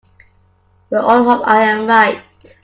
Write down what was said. We all hope I am right.